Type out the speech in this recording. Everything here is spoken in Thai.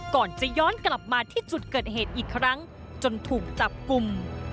ก่อนจะย้อนกลับมาที่จุดเกิดเหตุอีกครั้งจนถูกจับกลุ่ม